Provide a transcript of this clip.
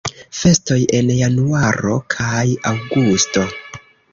Festoj en januaro kaj aŭgusto.